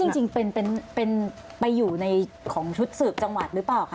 จริงเป็นไปอยู่ในของชุดสืบจังหวัดหรือเปล่าคะ